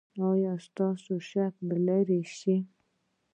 ایا ستاسو شک به لرې شي؟